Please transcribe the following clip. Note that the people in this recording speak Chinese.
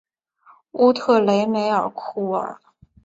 乌特雷梅库尔。